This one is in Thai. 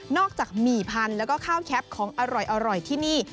จากหมี่พันธุ์แล้วก็ข้าวแคปของอร่อยที่นี่